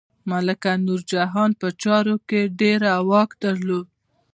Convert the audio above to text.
ملکه نورجهان په چارو کې ډیر واک درلود.